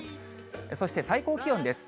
そして最高気温です。